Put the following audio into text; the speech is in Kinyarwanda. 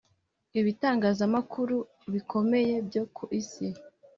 Ibitangazamakuru bikomeye byo ku isi